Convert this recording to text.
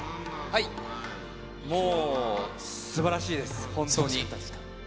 もう、すばらしいです、本当に。